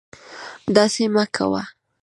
داسې مکوه